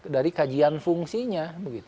dari kajian fungsinya